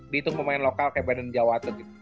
ditung pemain lokal kayak badan jawa atau gitu